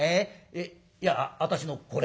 えっいや私のこれ。